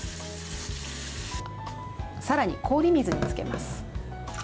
さらに、氷水につけます。